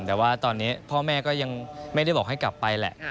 แต่ว่าตอนนี้พ่อแม่ก็ยังไม่ได้บอกให้กลับไปแหละ